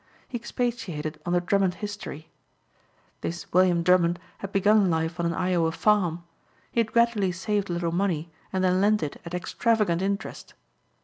He expatiated on the Drummond history. This William Drummond had begun life on an Iowa farm. He had gradually saved a little money and then lent it at extravagant interest.